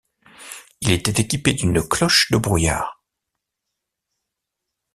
Il était équipé d'une cloche de brouillard.